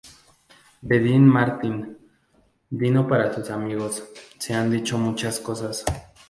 De Dean Martin, Dino para sus amigos, se han dicho muchas cosas.